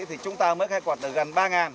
thì chúng ta mới khai quật được gần ba